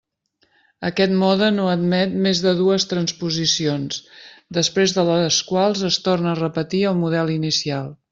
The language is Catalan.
Aquest mode no admet més de dues transposicions, després de les quals es torna a repetir el model inicial.